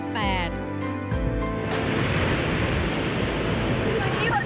มีประสาทตอนอาศัยถึงกว่า๕๔๐๐๐คน